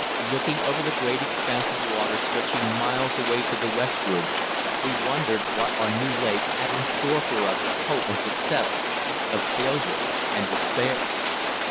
Looking over the great expanse of water stretching miles away to the westward, we wondered what our new lake had in store for us of hope and success, of failure and, despair.